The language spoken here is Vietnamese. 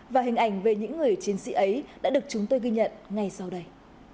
và hình ảnh về những người chiến sĩ ấy đã được chúng tôi ghi nhận ngay sau đây